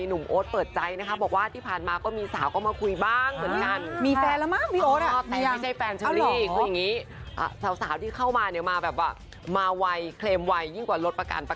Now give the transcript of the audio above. โอ๊ตเปิดใจนะคะบอกว่าที่ผ่านมาก็มีสาวก็มาคุยบ้างเหมือนกัน